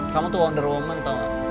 kamu tuh wonder woman tau